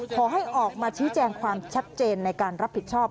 ขอให้ออกมาชี้แจงความชัดเจนในการรับผิดชอบ